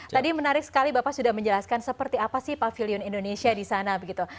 tadi menarik sekali bapak sudah menjelaskan seperti apa sih pavilion indonesia di sana begitu